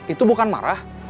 itu bukan marah